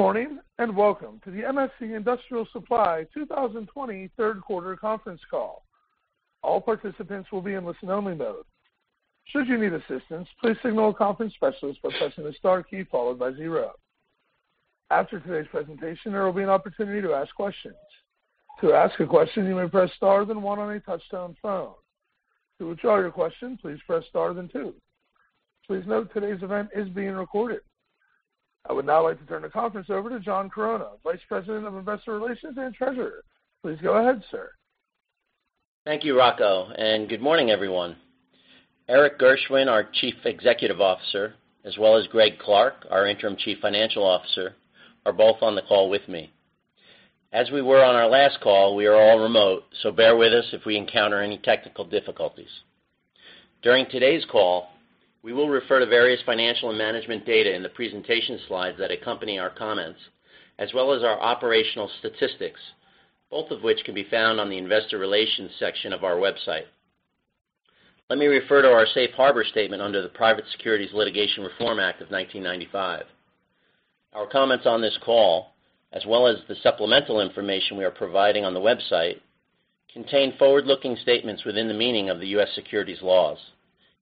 Good morning, and welcome to the MSC Industrial Supply 2020 third quarter conference call. All participants will be in listen only mode. Should you need assistance, please signal a conference specialist by pressing the star key followed by zero. After today's presentation, there will be an opportunity to ask questions. To ask a question, you may press star then one on a touch-tone phone. To withdraw your question, please press star then two. Please note today's event is being recorded. I would now like to turn the conference over to John Caron, Vice President of Investor Relations and Treasurer. Please go ahead, sir. Thank you, Rocco, and good morning, everyone. Erik Gershwind, our Chief Executive Officer, as well as Greg Clark, our interim Chief Financial Officer, are both on the call with me. As we were on our last call, we are all remote, bear with us if we encounter any technical difficulties. During today's call, we will refer to various financial and management data in the presentation slides that accompany our comments, as well as our operational statistics, both of which can be found on the investor relations section of our website. Let me refer to our safe harbor statement under the Private Securities Litigation Reform Act of 1995. Our comments on this call, as well as the supplemental information we are providing on the website, contain forward-looking statements within the meaning of the U.S. securities laws,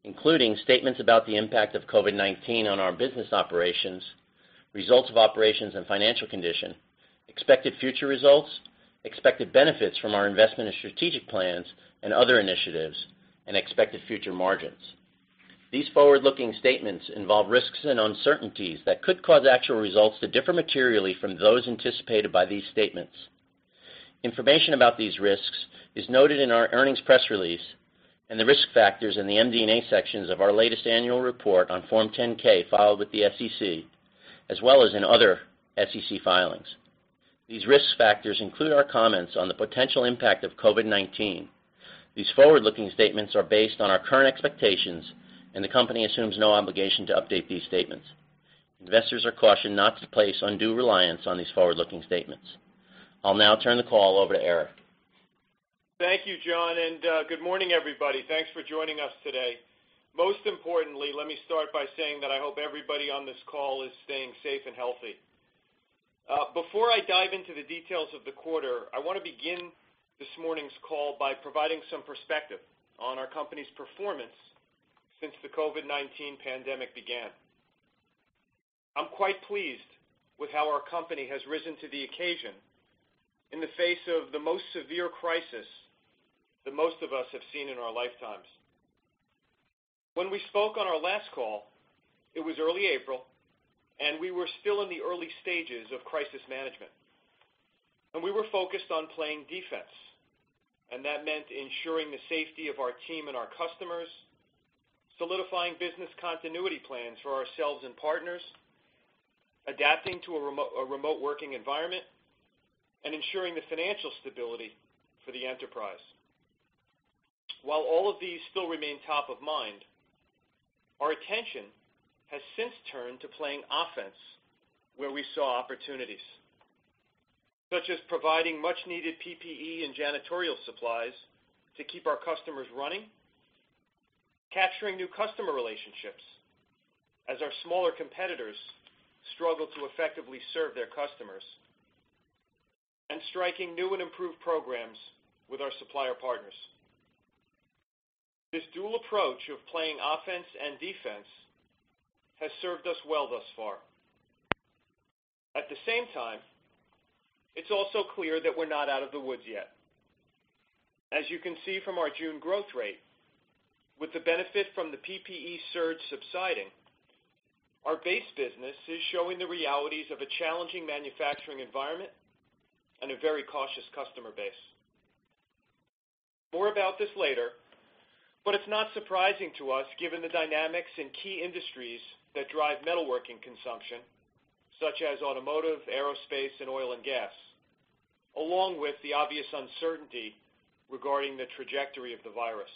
including statements about the impact of COVID-19 on our business operations, results of operations and financial condition, expected future results, expected benefits from our investment and strategic plans and other initiatives, and expected future margins. These forward-looking statements involve risks and uncertainties that could cause actual results to differ materially from those anticipated by these statements. Information about these risks is noted in our earnings press release and the risk factors in the MD&A sections of our latest annual report on Form 10-K filed with the SEC, as well as in other SEC filings. These risk factors include our comments on the potential impact of COVID-19. These forward-looking statements are based on our current expectations, and the company assumes no obligation to update these statements. Investors are cautioned not to place undue reliance on these forward-looking statements. I'll now turn the call over to Erik. Thank you, John, and good morning, everybody. Thanks for joining us today. Most importantly, let me start by saying that I hope everybody on this call is staying safe and healthy. Before I dive into the details of the quarter, I want to begin this morning's call by providing some perspective on our company's performance since the COVID-19 pandemic began. I'm quite pleased with how our company has risen to the occasion in the face of the most severe crisis that most of us have seen in our lifetimes. When we spoke on our last call, it was early April, and we were still in the early stages of crisis management. We were focused on playing defense, and that meant ensuring the safety of our team and our customers, solidifying business continuity plans for ourselves and partners, adapting to a remote working environment, and ensuring the financial stability for the enterprise. While all of these still remain top of mind, our attention has since turned to playing offense where we saw opportunities, such as providing much-needed PPE and janitorial supplies to keep our customers running, capturing new customer relationships as our smaller competitors struggle to effectively serve their customers, and striking new and improved programs with our supplier partners. This dual approach of playing offense and defense has served us well thus far. At the same time, it's also clear that we're not out of the woods yet. As you can see from our June growth rate, with the benefit from the PPE surge subsiding, our base business is showing the realities of a challenging manufacturing environment and a very cautious customer base. More about this later, but it's not surprising to us given the dynamics in key industries that drive metalworking consumption, such as automotive, aerospace, and oil and gas, along with the obvious uncertainty regarding the trajectory of the virus.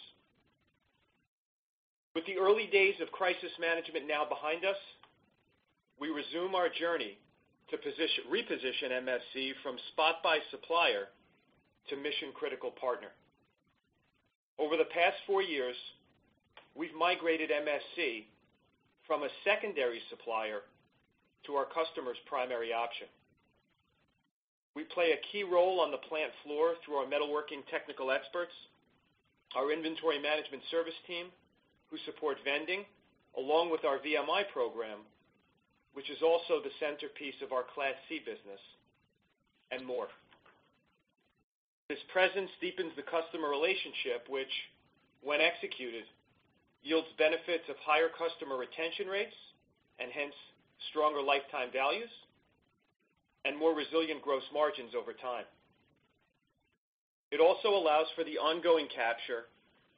With the early days of crisis management now behind us, we resume our journey to reposition MSC from spot buy supplier to mission-critical partner. Over the past four years, we've migrated MSC from a secondary supplier to our customers' primary option. We play a key role on the plant floor through our metalworking technical experts, our inventory management service team, who support vending, along with our VMI program, which is also the centerpiece of our Class C business, and more. This presence deepens the customer relationship, which when executed, yields benefits of higher customer retention rates, and hence stronger lifetime values, and more resilient gross margins over time. It also allows for the ongoing capture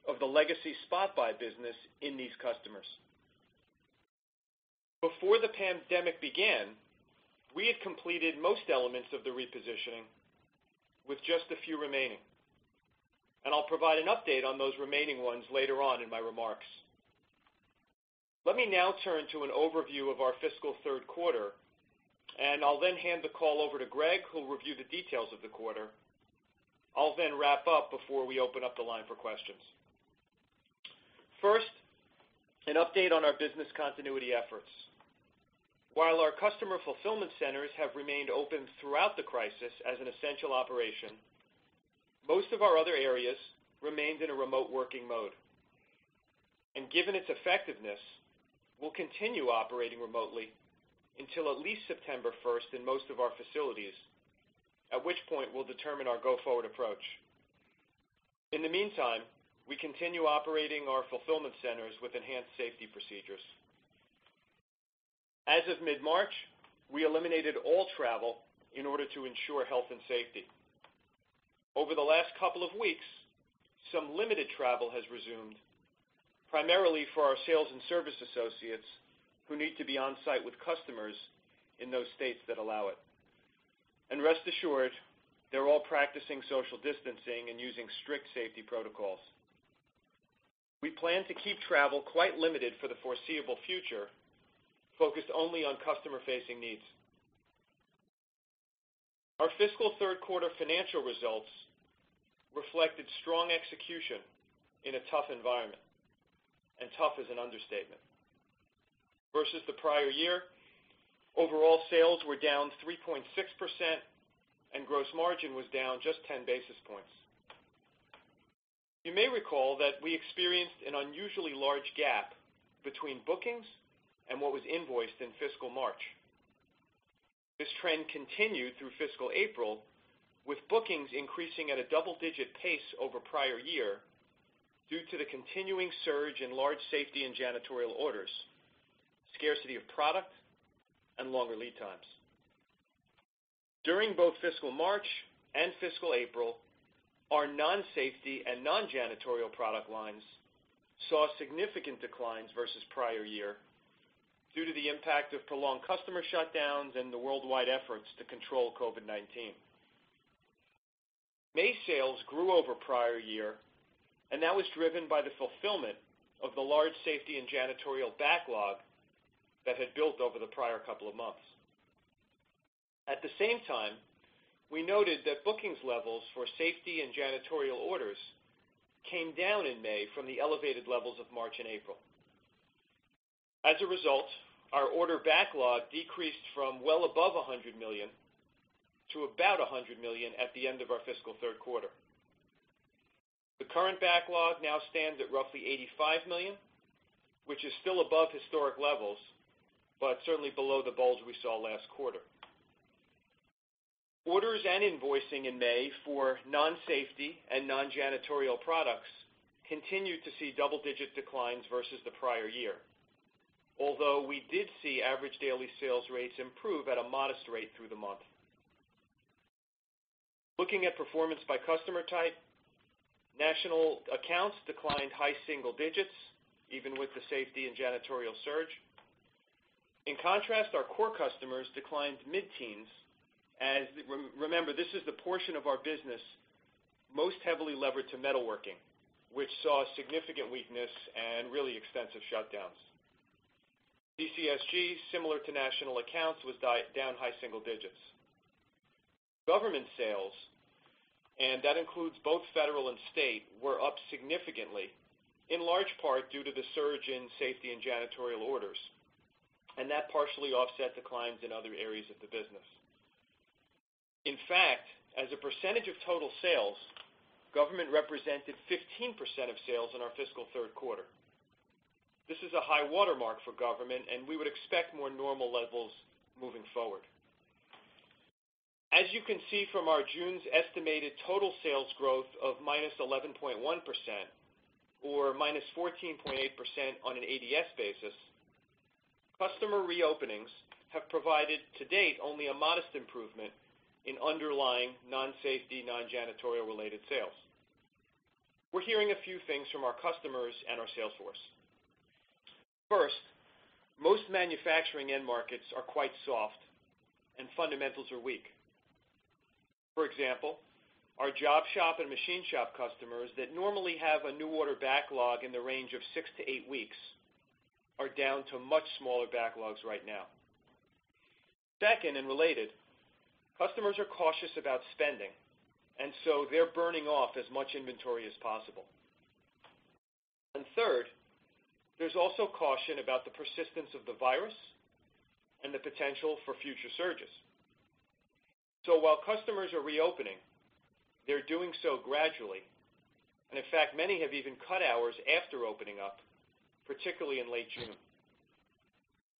of the legacy spot buy business in these customers. Before the pandemic began, we had completed most elements of the repositioning with just a few remaining. I'll provide an update on those remaining ones later on in my remarks. Let me now turn to an overview of our fiscal third quarter. I'll then hand the call over to Greg, who will review the details of the quarter. I'll then wrap up before we open up the line for questions. First, an update on our business continuity efforts. While our customer fulfillment centers have remained open throughout the crisis as an essential operation, most of our other areas remained in a remote working mode. Given its effectiveness, we'll continue operating remotely until at least September 1st in most of our facilities, at which point we'll determine our go-forward approach. In the meantime, we continue operating our fulfillment centers with enhanced safety procedures. As of mid-March, we eliminated all travel in order to ensure health and safety. Over the last couple of weeks, some limited travel has resumed, primarily for our sales and service associates who need to be on-site with customers in those states that allow it. Rest assured, they're all practicing social distancing and using strict safety protocols. We plan to keep travel quite limited for the foreseeable future, focused only on customer-facing needs. Our fiscal third quarter financial results reflected strong execution in a tough environment, and tough is an understatement. Versus the prior year, overall sales were down 3.6%, and gross margin was down just 10 basis points. You may recall that we experienced an unusually large gap between bookings and what was invoiced in fiscal March. This trend continued through fiscal April, with bookings increasing at a double-digit pace over prior year due to the continuing surge in large safety and janitorial orders, scarcity of product, and longer lead times. During both fiscal March and fiscal April, our non-safety and non-janitorial product lines saw significant declines versus the prior year due to the impact of prolonged customer shutdowns and the worldwide efforts to control COVID-19. May sales grew over the prior year, and that was driven by the fulfillment of the large safety and janitorial backlog that had built over the prior couple of months. At the same time, we noted that bookings levels for safety and janitorial orders came down in May from the elevated levels of March and April. As a result, our order backlog decreased from well above $100 million to about $100 million at the end of our fiscal third quarter. The current backlog now stands at roughly $85 million, which is still above historic levels, but certainly below the bulge we saw last quarter. Orders and invoicing in May for non-safety and non-janitorial products continued to see double-digit declines versus the prior year. Although we did see average daily sales rates improve at a modest rate through the month. Looking at performance by customer type, national accounts declined high single digits, even with the safety and janitorial surge. In contrast, our core customers declined mid-teens as, remember, this is the portion of our business most heavily levered to metalworking, which saw significant weakness and really extensive shutdowns. CCSG, similar to national accounts, was down high single digits. Government sales, and that includes both federal and state, were up significantly, in large part due to the surge in safety and janitorial orders, and that partially offset declines in other areas of the business. In fact, as a percentage of total sales, government represented 15% of sales in our fiscal third quarter. This is a high watermark for government, and we would expect more normal levels moving forward. As you can see from our June's estimated total sales growth of -11.1%, or -14.8% on an ADS basis, customer reopenings have provided to date only a modest improvement in underlying non-safety, non-JanSan related sales. We're hearing a few things from our customers and our sales force. First, most manufacturing end markets are quite soft, and fundamentals are weak. For example, our job shop and machine shop customers that normally have a new order backlog in the range of six to eight weeks are down to much smaller backlogs right now. Second, and related, customers are cautious about spending, and so they're burning off as much inventory as possible. Third, there's also caution about the persistence of the virus and the potential for future surges. While customers are reopening, they're doing so gradually, and in fact, many have even cut hours after opening up, particularly in late June.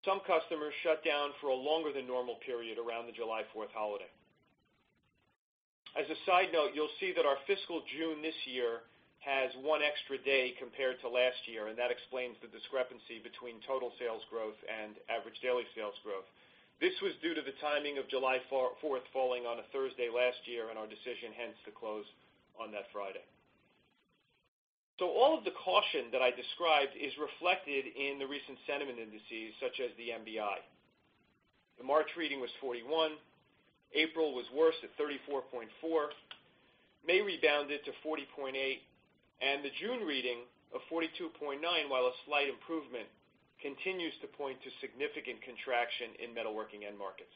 Some customers shut down for longer than normal period around the July 4th holiday. As a side note, you'll see that our fiscal June this year has one extra day compared to last year, and that explains the discrepancy between total sales growth and average daily sales growth. This was due to the timing of July 4th falling on a Thursday last year and our decision hence to close on that Friday. All of the caution that I described is reflected in the recent sentiment indices such as the MBI. The March reading was 41, April was worse at 34.4, May rebounded to 40.8, and the June reading of 42.9, while a slight improvement, continues to point to significant contraction in metalworking end markets.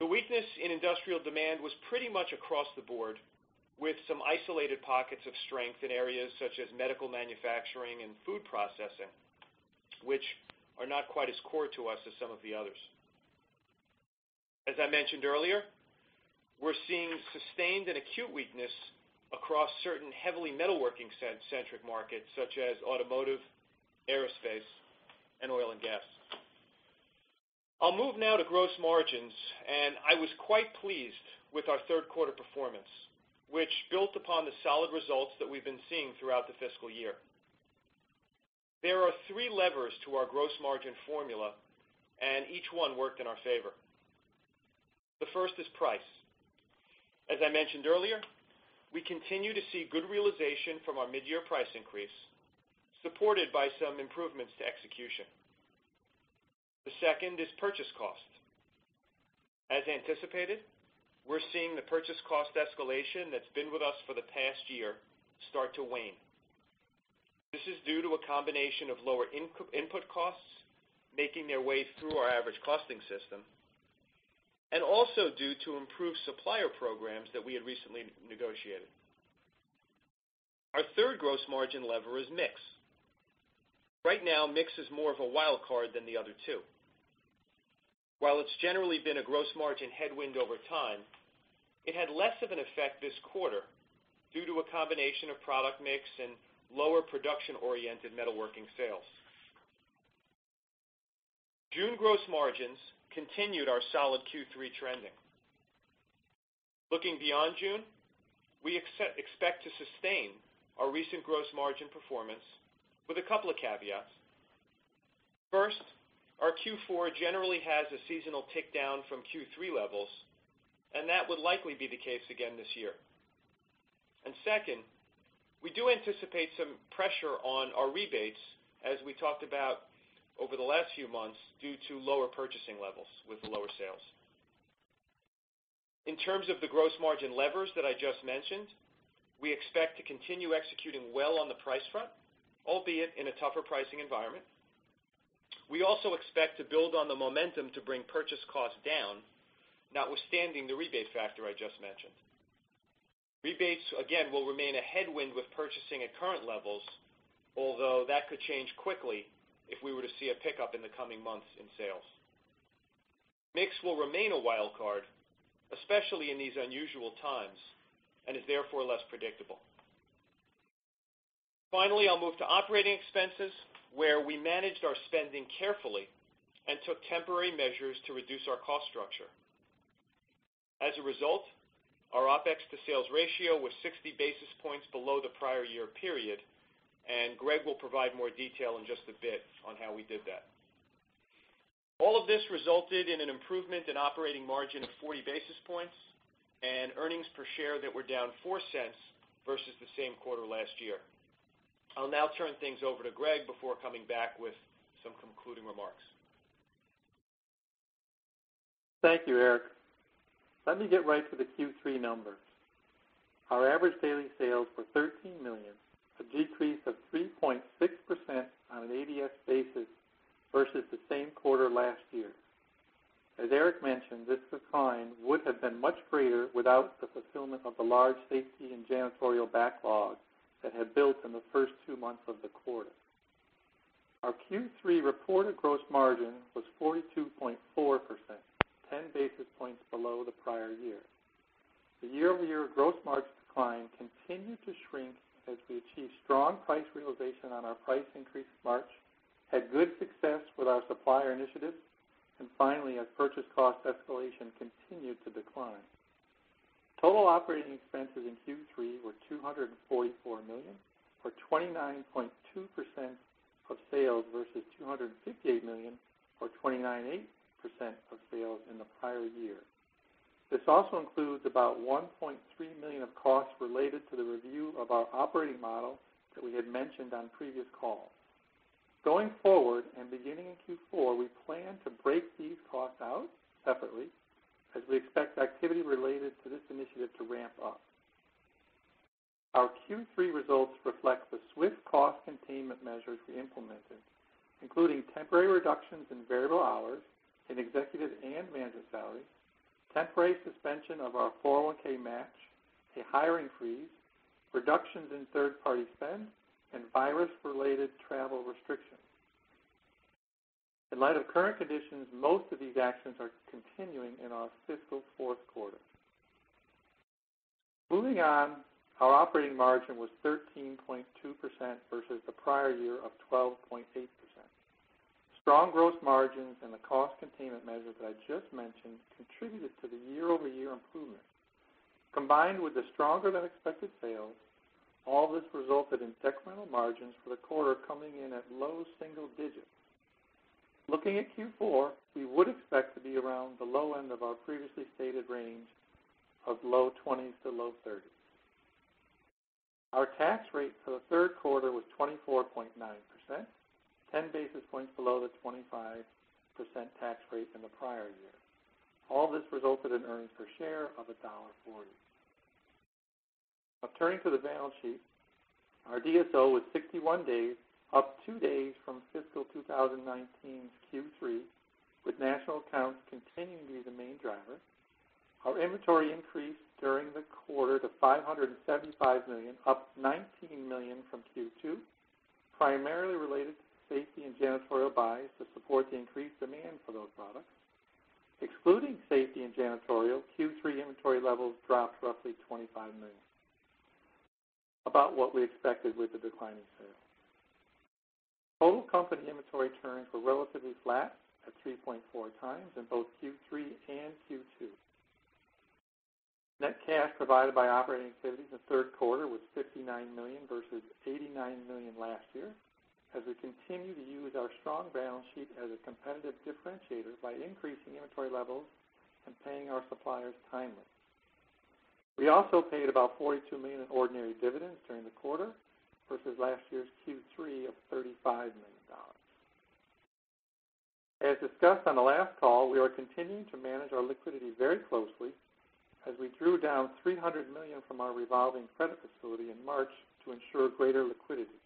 The weakness in industrial demand was pretty much across the board, with some isolated pockets of strength in areas such as medical manufacturing and food processing, which are not quite as core to us as some of the others. As I mentioned earlier, we're seeing sustained and acute weakness across certain heavily metalworking-centric markets such as automotive, aerospace, and oil and gas. I'll move now to gross margins, and I was quite pleased with our third quarter performance, which built upon the solid results that we've been seeing throughout the fiscal year. There are three levers to our gross margin formula, and each one worked in our favor. The first is price. As I mentioned earlier, we continue to see good realization from our mid-year price increase, supported by some improvements to execution. The second is purchase cost. As anticipated, we're seeing the purchase cost escalation that's been with us for the past year start to wane. This is due to a combination of lower input costs making their way through our average costing system, and also due to improved supplier programs that we had recently negotiated. Our third gross margin lever is mix. Right now, mix is more of a wild card than the other two. While it's generally been a gross margin headwind over time, it had less of an effect this quarter due to a combination of product mix and lower production-oriented metalworking sales. June gross margins continued our solid Q3 trending. Looking beyond June, we expect to sustain our recent gross margin performance with a couple of caveats. First, our Q4 generally has a seasonal tick down from Q3 levels, and that would likely be the case again this year. Second, we do anticipate some pressure on our rebates, as we talked about over the last few months, due to lower purchasing levels with lower sales. In terms of the gross margin levers that I just mentioned, we expect to continue executing well on the price front, albeit in a tougher pricing environment. We also expect to build on the momentum to bring purchase costs down, notwithstanding the rebate factor I just mentioned. Rebates, again, will remain a headwind with purchasing at current levels, although that could change quickly if we were to see a pickup in the coming months in sales. Mix will remain a wild card, especially in these unusual times, and is therefore less predictable. I'll move to operating expenses, where we managed our spending carefully and took temporary measures to reduce our cost structure. Our OpEx to sales ratio was 60 basis points below the prior year period. Greg will provide more detail in just a bit on how we did that. All of this resulted in an improvement in operating margin of 40 basis points and earnings per share that were down $0.04 versus the same quarter last year. I'll now turn things over to Greg before coming back with some concluding remarks. Thank you, Erik. Let me get right to the Q3 numbers. Our average daily sales were $13 million, a decrease of 3.6% on an ADS basis versus the same quarter last year. As Erik mentioned, this decline would have been much greater without the fulfillment of the large safety and JanSan backlog that had built in the first two months of the quarter. Our Q3 reported gross margin was 42.4%, 10 basis points below the prior year. The year-over-year gross margin decline continued to shrink as we achieved strong price realization on our price increase in March, had good success with our supplier initiatives, and finally, as purchase cost escalation continued to decline. Total operating expenses in Q3 were $244 million, or 29.2% of sales, versus $258 million, or 29.8% of sales in the prior year. This also includes about $1.3 million of costs related to the review of our operating model that we had mentioned on previous calls. Going forward, beginning in Q4, we plan to break these costs out separately as we expect activity related to this initiative to ramp up. Our Q3 results reflect the swift cost containment measures we implemented, including temporary reductions in variable hours in executive and management salaries, temporary suspension of our 401(k) match, a hiring freeze, reductions in third-party spend, and virus-related travel restrictions. In light of current conditions, most of these actions are continuing in our fiscal fourth quarter. Moving on, our operating margin was 13.2% versus the prior year of 12.8%. Strong gross margins and the cost containment measures that I just mentioned contributed to the year-over-year improvement. Combined with the stronger-than-expected sales, all this resulted in segmental margins for the quarter coming in at low single digits. Looking at Q4, we would expect to be around the low end of our previously stated range of low 20s-low 30s. Our tax rate for the third quarter was 24.9%, 10 basis points below the 25% tax rate in the prior year. All this resulted in earnings per share of $1.40. Now turning to the balance sheet, our DSO was 61 days, up 2 days from fiscal 2019's Q3, with national accounts continuing to be the main driver. Our inventory increased during the quarter to $575 million, up $19 million from Q2, primarily related to safety and Janitorial buys to support the increased demand for those products. Excluding safety and Janitorial, Q3 inventory levels dropped roughly $25 million. About what we expected with the declining sales. Total company inventory turns were relatively flat at 3.4 times in both Q3 and Q2. Net cash provided by operating activities in the third quarter was $59 million versus $89 million last year, as we continue to use our strong balance sheet as a competitive differentiator by increasing inventory levels and paying our suppliers timely. We also paid about $42 million in ordinary dividends during the quarter versus last year's Q3 of $35 million. As discussed on the last call, we are continuing to manage our liquidity very closely as we drew down $300 million from our revolving credit facility in March to ensure greater liquidity.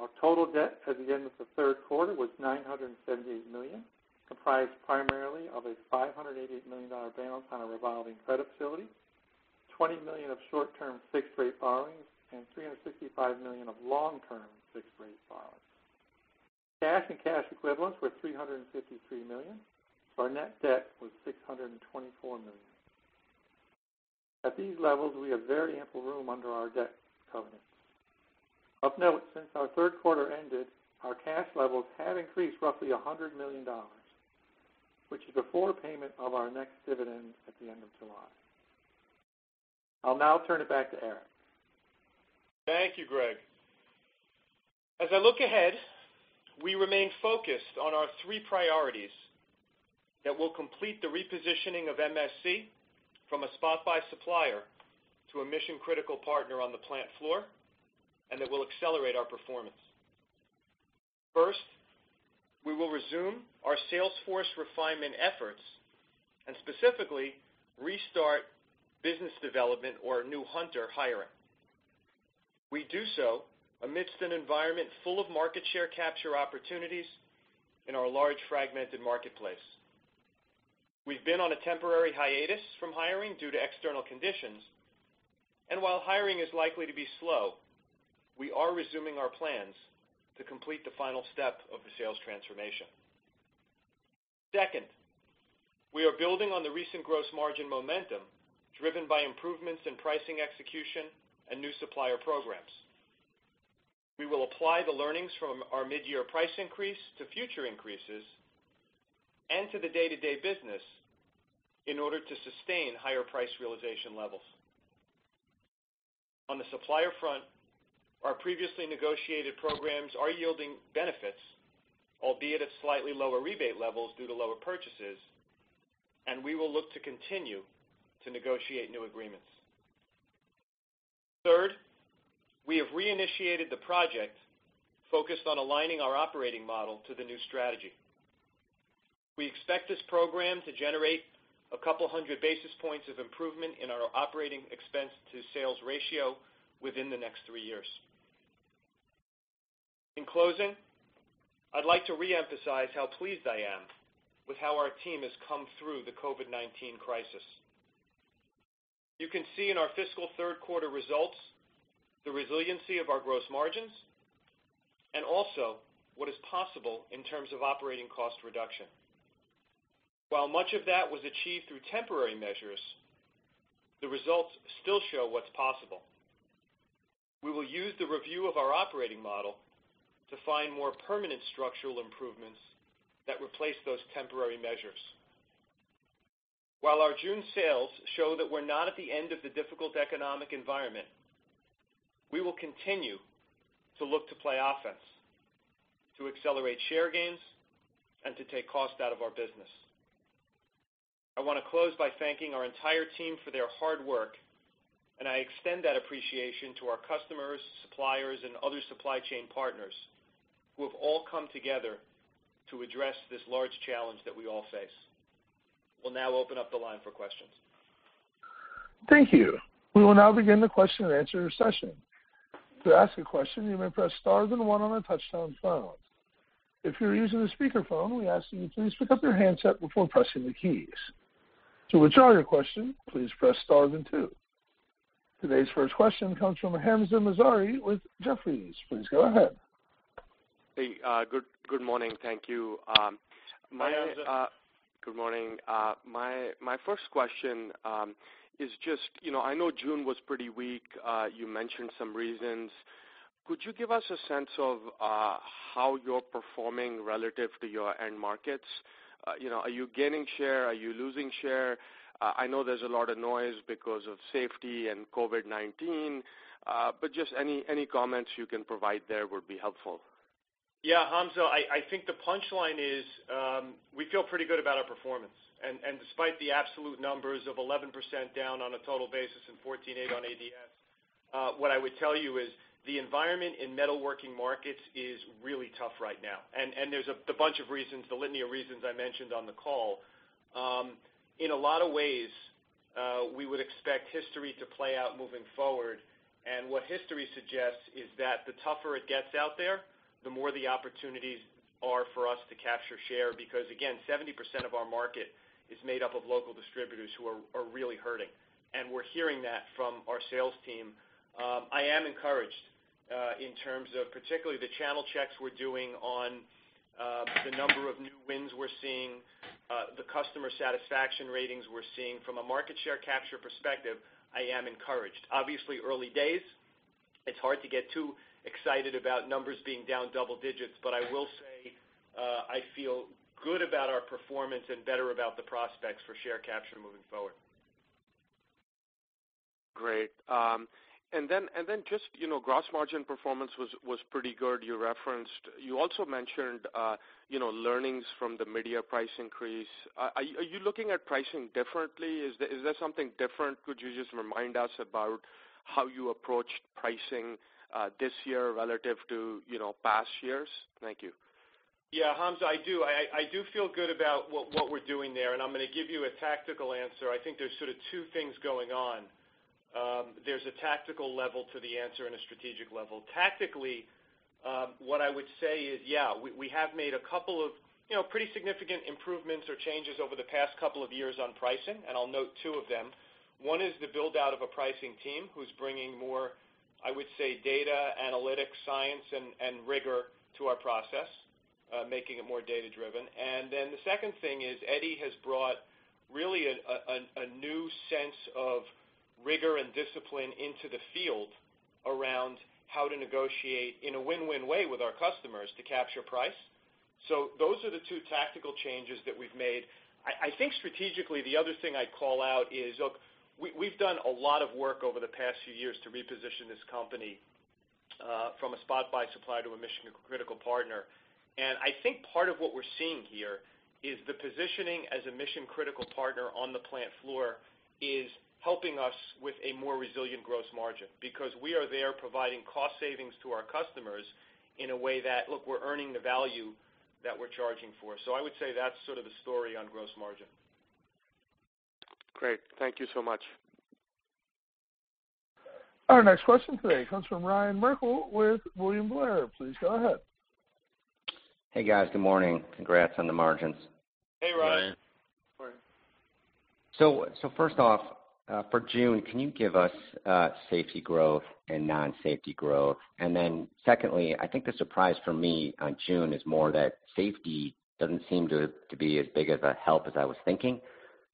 Our total debt at the end of the third quarter was $978 million, comprised primarily of a $588 million balance on a revolving credit facility, $20 million of short-term fixed-rate borrowings, and $365 million of long-term fixed-rate borrowings. Cash and cash equivalents were $353 million. Our net debt was $624 million. At these levels, we have very ample room under our debt covenants. Of note, since our third quarter ended, our cash levels have increased roughly $100 million, which is before payment of our next dividend at the end of July. I'll now turn it back to Erik. Thank you, Greg. As I look ahead, we remain focused on our three priorities that will complete the repositioning of MSC from a spot-buy supplier to a mission-critical partner on the plant floor, and that will accelerate our performance. First, we will resume our sales force refinement efforts and specifically restart business development or new hunter hiring. We do so amidst an environment full of market share capture opportunities in our large fragmented marketplace. We've been on a temporary hiatus from hiring due to external conditions, and while hiring is likely to be slow, we are resuming our plans to complete the final step of the sales transformation. Second, we are building on the recent gross margin momentum driven by improvements in pricing execution and new supplier programs. We will apply the learnings from our mid-year price increase to future increases and to the day-to-day business in order to sustain higher price realization levels. On the supplier front, our previously negotiated programs are yielding benefits, albeit at slightly lower rebate levels due to lower purchases, and we will look to continue to negotiate new agreements. Third, we have reinitiated the project focused on aligning our operating model to the new strategy. We expect this program to generate a couple hundred basis points of improvement in our operating expense to sales ratio within the next three years. In closing, I'd like to reemphasize how pleased I am with how our team has come through the COVID-19 crisis. You can see in our fiscal third quarter results the resiliency of our gross margins and also what is possible in terms of operating cost reduction. While much of that was achieved through temporary measures, the results still show what's possible. We will use the review of our operating model to find more permanent structural improvements that replace those temporary measures. While our June sales show that we're not at the end of the difficult economic environment, we will continue to look to play offense, to accelerate share gains, and to take cost out of our business. I want to close by thanking our entire team for their hard work, and I extend that appreciation to our customers, suppliers, and other supply chain partners who have all come together to address this large challenge that we all face. We'll now open up the line for questions. Thank you. We will now begin the question and answer session. To ask a question, you may press star then 1 on a touchtone phone. If you're using a speakerphone, we ask that you please pick up your handset before pressing the keys. To withdraw your question, please press star then 2. Today's first question comes from Hamza Mazari with Jefferies. Please go ahead. Hey, good morning. Thank you. Hi, Hamza. Good morning. My first question is just, I know June was pretty weak. You mentioned some reasons. Could you give us a sense of how you're performing relative to your end markets? Are you gaining share? Are you losing share? I know there's a lot of noise because of safety and COVID-19, but just any comments you can provide there would be helpful. Yeah, Hamza, I think the punchline is we feel pretty good about our performance. Despite the absolute numbers of 11% down on a total basis and 14.8% on ADS, I would tell you is the environment in metalworking markets is really tough right now, and there's a bunch of reasons, the litany of reasons I mentioned on the call. In a lot of ways, we would expect history to play out moving forward, and what history suggests is that the tougher it gets out there, the more the opportunities are for us to capture share. Again, 70% of our market is made up of local distributors who are really hurting, and we're hearing that from our sales team. I am encouraged in terms of particularly the channel checks we're doing on the number of new wins we're seeing, the customer satisfaction ratings we're seeing. From a market share capture perspective, I am encouraged. Obviously, early days, it's hard to get too excited about numbers being down double digits. I will say, I feel good about our performance and better about the prospects for share capture moving forward. Great. Just gross margin performance was pretty good. You also mentioned learnings from the mid-year price increase. Are you looking at pricing differently? Is there something different? Could you just remind us about how you approached pricing this year relative to past years? Thank you. Yeah, Hamza, I do. I do feel good about what we're doing there. I'm going to give you a tactical answer. I think there's sort of two things going on. There's a tactical level to the answer and a strategic level. Tactically, what I would say is, yeah, we have made a couple of pretty significant improvements or changes over the past couple of years on pricing. I'll note two of them. One is the build-out of a pricing team who's bringing more, I would say, data analytic science and rigor to our process, making it more data-driven. The second thing is Eddie has brought really a new sense of rigor and discipline into the field around how to negotiate in a win-win way with our customers to capture price. Those are the two tactical changes that we've made. I think strategically, the other thing I'd call out is, look, we've done a lot of work over the past few years to reposition this company from a spot buy supplier to a mission-critical partner. I think part of what we're seeing here is the positioning as a mission-critical partner on the plant floor is helping us with a more resilient gross margin because we are there providing cost savings to our customers in a way that we're earning the value that we're charging for. I would say that's sort of the story on gross margin. Great. Thank you so much. Our next question today comes from Ryan Merkel with William Blair. Please go ahead. Hey, guys. Good morning. Congrats on the margins. Hey, Ryan. Ryan. First off, for June, can you give us safety growth and non-safety growth? Then secondly, I think the surprise for me on June is more that safety doesn't seem to be as big of a help as I was thinking.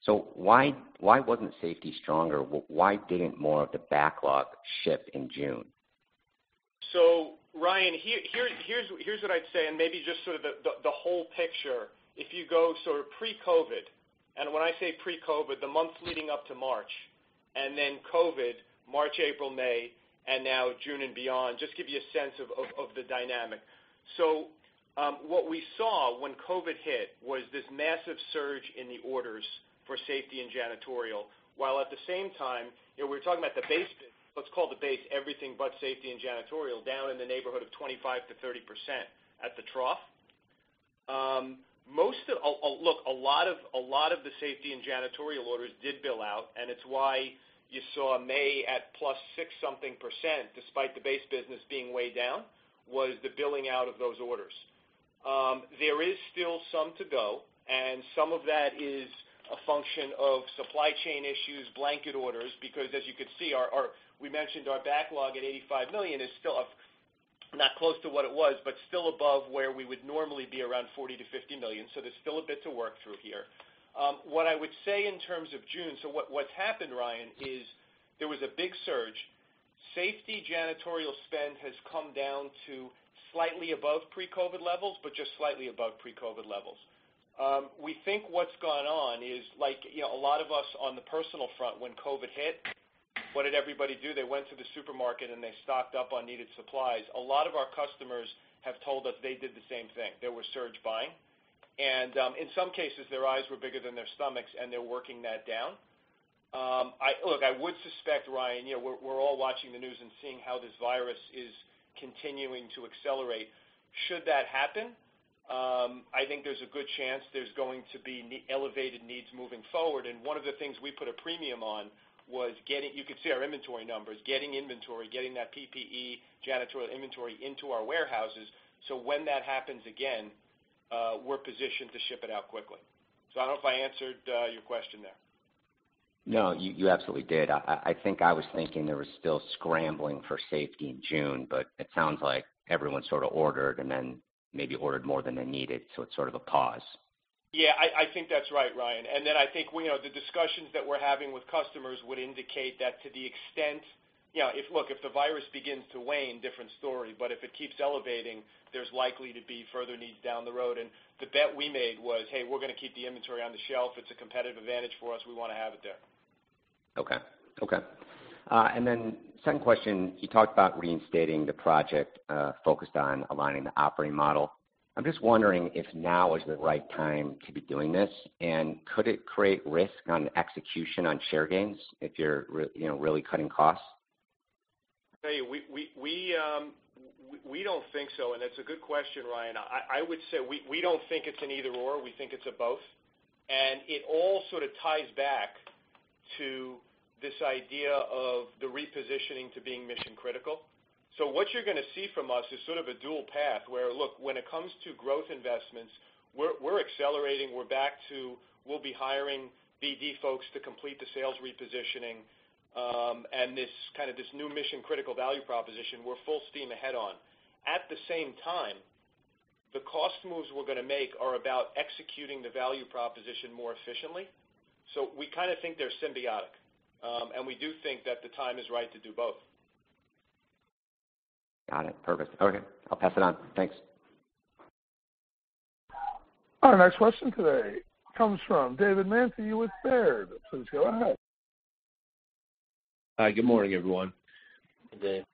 Why wasn't safety stronger? Why didn't more of the backlog ship in June? Ryan, here's what I'd say, and maybe just sort of the whole picture. If you go sort of pre-COVID, and when I say pre-COVID, the months leading up to March, and then COVID, March, April, May, and now June and beyond, just give you a sense of the dynamic. What we saw when COVID hit was this massive surge in the orders for safety and janitorial, while at the same time, we're talking about let's call the base everything but safety and janitorial, down in the neighborhood of 25%-30% at the trough. Look, a lot of the safety and janitorial orders did bill out, and it's why you saw May at plus 6 something%, despite the base business being way down, was the billing out of those orders. There is still some to go. Some of that is a function of supply chain issues, blanket orders, because as you could see, we mentioned our backlog at $85 million is still not close to what it was, but still above where we would normally be around $40 million-$50 million. There's still a bit to work through here. What I would say in terms of June, what's happened, Ryan, is there was a big surge. Safety janitorial spend has come down to slightly above pre-COVID-19 levels, but just slightly above pre-COVID-19 levels. We think what's gone on is like a lot of us on the personal front when COVID-19 hit, what did everybody do? They went to the supermarket. They stocked up on needed supplies. A lot of our customers have told us they did the same thing. There was surge buying, and in some cases, their eyes were bigger than their stomachs, and they're working that down. Look, I would suspect, Ryan, we're all watching the news and seeing how this virus is continuing to accelerate. Should that happen, I think there's a good chance there's going to be elevated needs moving forward. One of the things we put a premium on was, you could see our inventory numbers, getting inventory, getting that PPE janitorial inventory into our warehouses. When that happens again, we're positioned to ship it out quickly. I don't know if I answered your question there. No, you absolutely did. I think I was thinking there was still scrambling for safety in June, but it sounds like everyone sort of ordered and then maybe ordered more than they needed, so it's sort of a pause. Yeah, I think that's right, Ryan. I think the discussions that we're having with customers would indicate that Look, if the virus begins to wane, different story, but if it keeps elevating, there's likely to be further needs down the road. The bet we made was, hey, we're going to keep the inventory on the shelf. It's a competitive advantage for us. We want to have it there. Okay. Second question, you talked about reinstating the project, focused on aligning the operating model. I'm just wondering if now is the right time to be doing this, and could it create risk on execution on share gains if you're really cutting costs? I tell you, we don't think so, and that's a good question, Ryan. I would say we don't think it's an either/or. We think it's a both, and it all sort of ties back to this idea of the repositioning to being mission-critical. What you're going to see from us is sort of a dual path where, look, when it comes to growth investments, we're accelerating. We're back to, we'll be hiring BD folks to complete the sales repositioning, and this kind of this new mission-critical value proposition. We're full steam ahead on. At the same time, the cost moves we're going to make are about executing the value proposition more efficiently. We kind of think they're symbiotic. We do think that the time is right to do both. Got it. Perfect. Okay, I'll pass it on. Thanks. Our next question today comes from David Manthey with Baird. Please go ahead. Hi, good morning, everyone. Good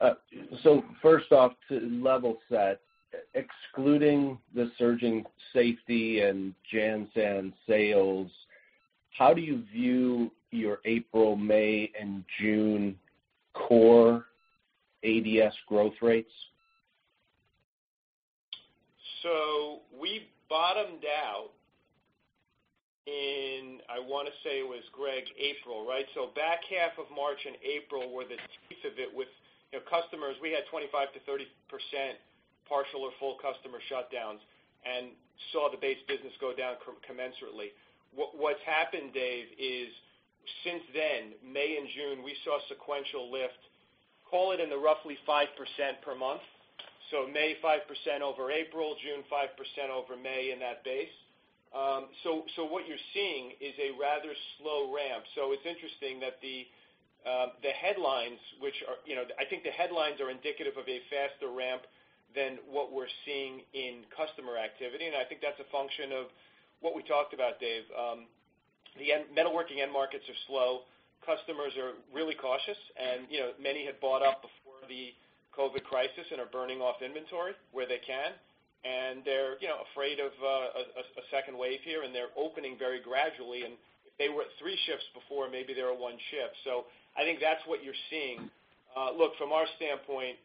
day. First off, to level set, excluding the surging safety and JanSan sales, how do you view your April, May, and June core ADS growth rates? We bottomed out in, I want to say it was, Greg, April, right? Back half of March and April were the teeth of it with customers. We had 25%-30% partial or full customer shutdowns and saw the base business go down commensurately. What's happened, Dave, is since then, May and June, we saw sequential lift, call it in the roughly 5% per month. May 5% over April, June 5% over May in that base. What you're seeing is a rather slow ramp. It's interesting that the headlines, which are. I think the headlines are indicative of a faster ramp than what we're seeing in customer activity, and I think that's a function of what we talked about, Dave. The metalworking end markets are slow. Customers are really cautious, and many had bought up before the COVID crisis and are burning off inventory where they can. They're afraid of a second wave here, and they're opening very gradually. If they were at 3 shifts before, maybe they're at 1 shift. I think that's what you're seeing. Look, from our standpoint,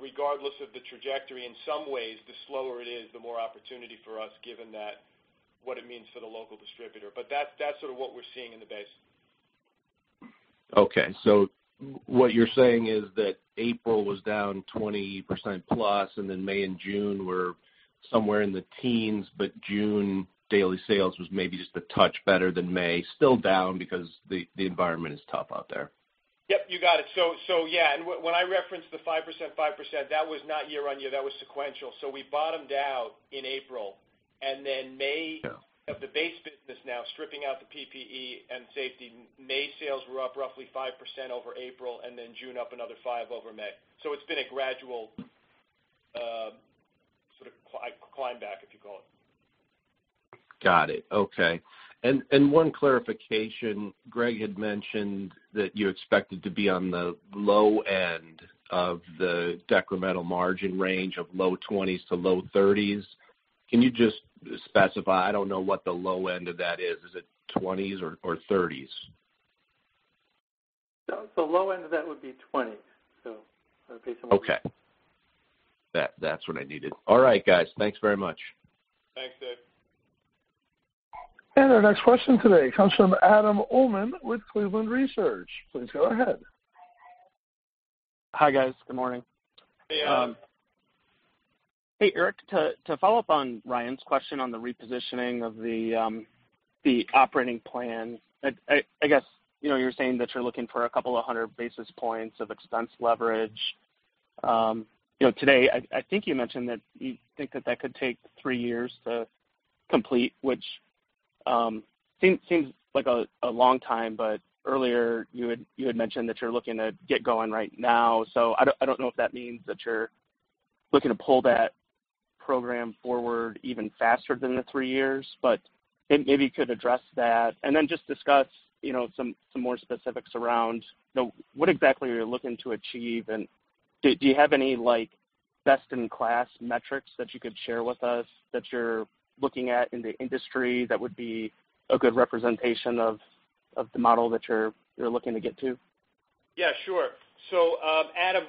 regardless of the trajectory, in some ways, the slower it is, the more opportunity for us given that what it means for the local distributor. That's sort of what we're seeing in the base. Okay. What you're saying is that April was down 20% plus, and then May and June were somewhere in the teens, but June daily sales was maybe just a touch better than May. Still down because the environment is tough out there. Yep, you got it. When I referenced the 5%/5%, that was not year-on-year, that was sequential. We bottomed out in April. Yeah of the base business now, stripping out the PPE and safety, May sales were up roughly 5% over April, June up another 5 over May. It's been a gradual sort of climb back, if you call it. Got it. Okay. One clarification. Greg had mentioned that you expected to be on the low end of the decremental margin range of low 20s to low 30s. Can you just specify? I don't know what the low end of that is. Is it 20s or 30s? The low end of that would be 20s. Okay. That's what I needed. All right, guys. Thanks very much. Thanks, Dave. Our next question today comes from Adam Uhlman with Cleveland Research. Please go ahead. Hi, guys. Good morning. Hey, Adam. Hey, Erik. To follow up on Ryan's question on the repositioning of the operating plan. I guess, you were saying that you're looking for a couple of 100 basis points of expense leverage. Today, I think you mentioned that you think that that could take three years to complete, which seems like a long time. Earlier you had mentioned that you're looking to get going right now. I don't know if that means that you're looking to pull that program forward even faster than the three years. Maybe you could address that. Just discuss some more specifics around what exactly are you looking to achieve, and do you have any best-in-class metrics that you could share with us that you're looking at in the industry that would be a good representation of the model that you're looking to get to? Yeah, sure. Adam,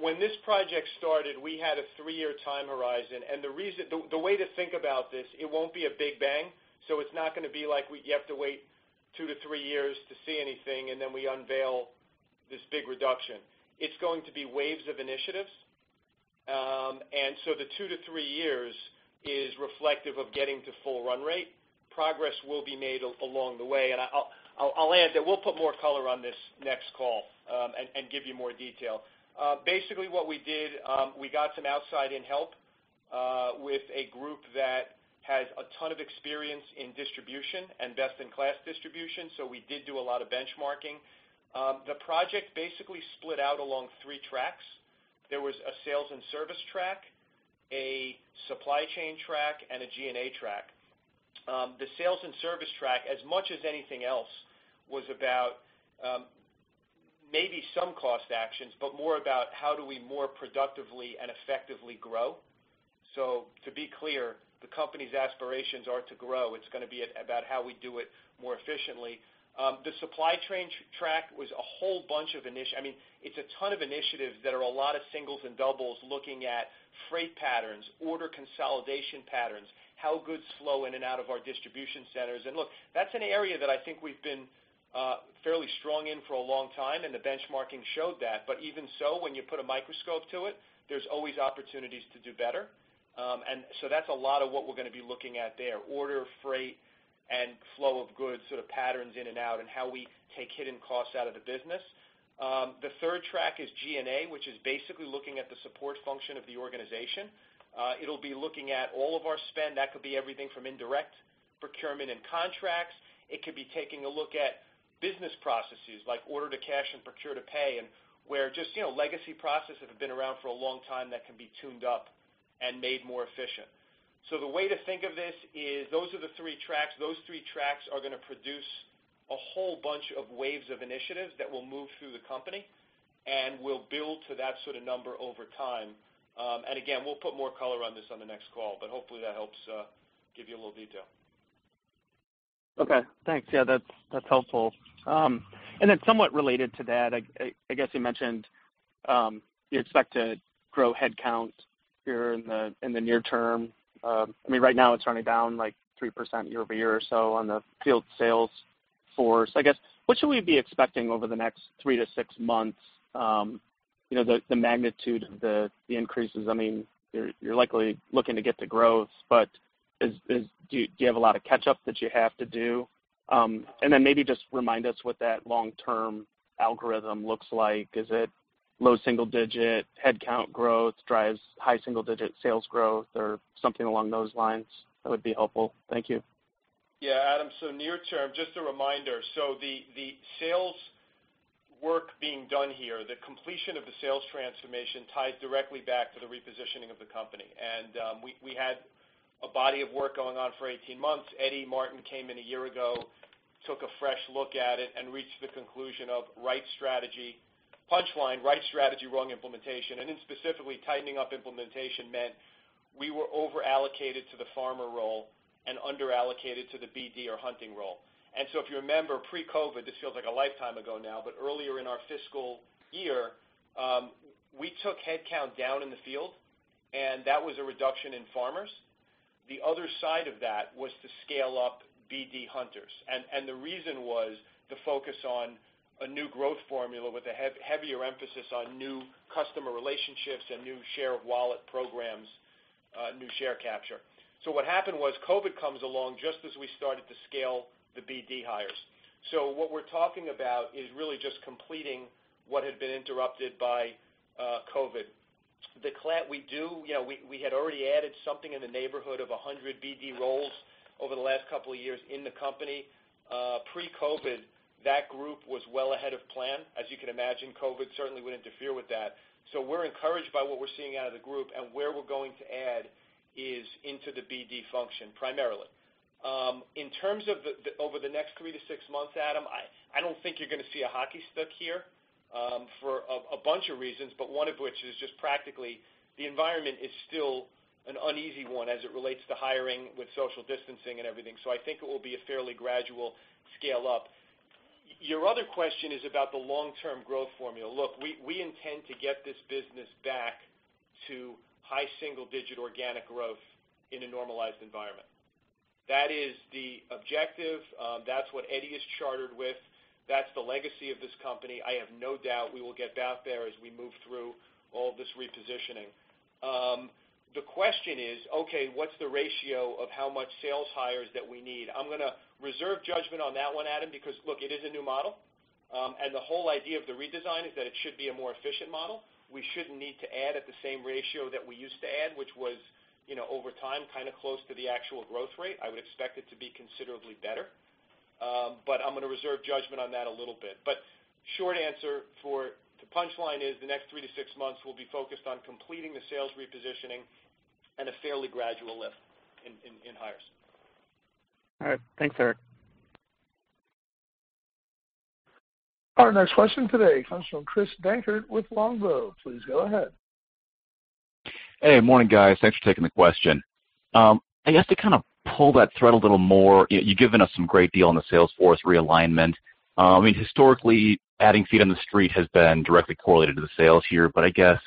when this project started, we had a three-year time horizon, and the way to think about this, it won't be a big bang. It's not going to be like you have to wait two to three years to see anything, and then we unveil this big reduction. It's going to be waves of initiatives. The two to three years is reflective of getting to full run rate. Progress will be made along the way, and I'll add that we'll put more color on this next call, and give you more detail. Basically what we did, we got some outside in help with a group that has a ton of experience in distribution and best-in-class distribution. We did do a lot of benchmarking. The project basically split out along three tracks. There was a sales and service track, a supply chain track, and a G&A track. The sales and service track, as much as anything else, was about Maybe some cost actions, but more about how do we more productively and effectively grow. To be clear, the company's aspirations are to grow. It's going to be about how we do it more efficiently. The supply chain track was a whole bunch of initiatives. It's a ton of initiatives that are a lot of singles and doubles looking at freight patterns, order consolidation patterns, how goods flow in and out of our distribution centers. Look, that's an area that I think we've been fairly strong in for a long time, and the benchmarking showed that. Even so, when you put a microscope to it, there's always opportunities to do better. That's a lot of what we're going to be looking at there, order, freight, and flow of goods sort of patterns in and out, and how we take hidden costs out of the business. The third track is G&A, which is basically looking at the support function of the organization. It'll be looking at all of our spend. That could be everything from indirect procurement and contracts. It could be taking a look at business processes like order-to-cash and procure-to-pay, and where just legacy processes have been around for a long time that can be tuned up and made more efficient. The way to think of this is those are the three tracks. Those three tracks are going to produce a whole bunch of waves of initiatives that will move through the company and will build to that sort of number over time. Again, we'll put more color on this on the next call, but hopefully that helps give you a little detail. Okay, thanks. That's helpful. Somewhat related to that, I guess you mentioned you expect to grow headcount here in the near term. Right now it's running down 3% year-over-year or so on the field sales force. I guess, what should we be expecting over the next three to six months, the magnitude of the increases? You're likely looking to get to growth, but do you have a lot of catch-up that you have to do? Maybe just remind us what that long-term algorithm looks like. Is it low single-digit headcount growth drives high single-digit sales growth, or something along those lines? That would be helpful. Thank you. Adam, near term, just a reminder, the sales work being done here, the completion of the sales transformation ties directly back to the repositioning of the company. We had a body of work going on for 18 months. Eddie Martin came in a year ago, took a fresh look at it, and reached the conclusion of right strategy, punchline, right strategy, wrong implementation. Specifically tightening up implementation meant we were over-allocated to the farmer role and under-allocated to the BD or hunting role. If you remember pre-COVID-19, this feels like a lifetime ago now, but earlier in our fiscal year, we took headcount down in the field, and that was a reduction in farmers. The other side of that was to scale up BD hunters. The reason was the focus on a new growth formula with a heavier emphasis on new customer relationships and new share of wallet programs, new share capture. What happened was COVID comes along just as we started to scale the BD hires. What we're talking about is really just completing what had been interrupted by COVID. We had already added something in the neighborhood of 100 BD roles over the last couple of years in the company. Pre-COVID, that group was well ahead of plan. As you can imagine, COVID certainly would interfere with that. We're encouraged by what we're seeing out of the group, and where we're going to add is into the BD function, primarily. In terms of over the next three to six months, Adam, I don't think you're going to see a hockey stick here for a bunch of reasons, but one of which is just practically the environment is still an uneasy one as it relates to hiring with social distancing and everything. I think it will be a fairly gradual scale-up. Your other question is about the long-term growth formula. Look, we intend to get this business back to high single-digit organic growth in a normalized environment. That is the objective. That's what Eddie is chartered with. That's the legacy of this company. I have no doubt we will get back there as we move through all this repositioning. The question is, okay, what's the ratio of how much sales hires that we need? I'm going to reserve judgment on that one, Adam, because, look, it is a new model. The whole idea of the redesign is that it should be a more efficient model. We shouldn't need to add at the same ratio that we used to add, which was over time, kind of close to the actual growth rate. I would expect it to be considerably better. I'm going to reserve judgment on that a little bit. Short answer for the punchline is the next 3-6 months will be focused on completing the sales repositioning and a fairly gradual lift in hires. All right. Thanks, Erik. Our next question today comes from Chris Dankert with Longbow. Please go ahead. Hey, morning guys. Thanks for taking the question. I guess to kind of pull that thread a little more, you've given us some great deal on the sales force realignment. Historically, adding feet on the street has been directly correlated to the sales here, but I guess,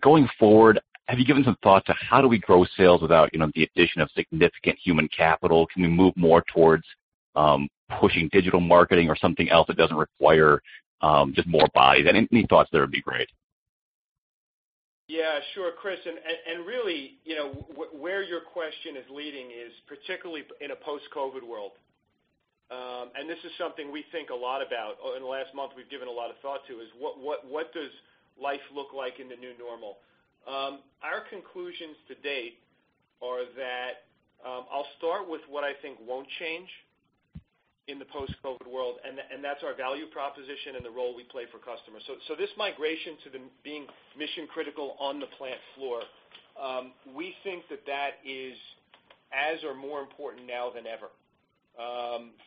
going forward, have you given some thought to how do we grow sales without the addition of significant human capital? Can we move more towards pushing digital marketing or something else that doesn't require just more bodies? Any thoughts there would be great. Yeah, sure, Chris. Really, where your question is leading is particularly in a post-COVID world. This is something we think a lot about. In the last month, we've given a lot of thought to is what does life look like in the new normal? Our conclusions to date are that I'll start with what I think won't change in the post-COVID world, and that's our value proposition and the role we play for customers. This migration to being mission-critical on the plant floor, we think that that is as or more important now than ever.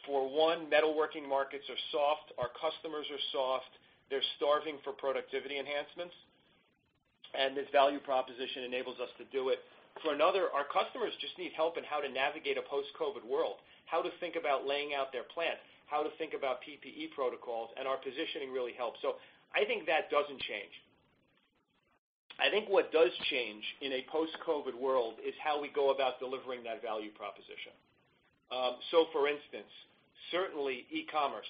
For one, metalworking markets are soft. Our customers are soft. They're starving for productivity enhancements, and this value proposition enables us to do it. For another, our customers just need help in how to navigate a post-COVID world, how to think about laying out their plant, how to think about PPE protocols, and our positioning really helps. I think that doesn't change. I think what does change in a post-COVID world is how we go about delivering that value proposition. For instance, certainly You can